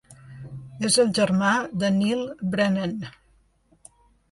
És el germà de Neal Brennan.